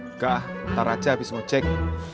enggak ntar aja habis ngocek